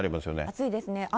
暑いですね。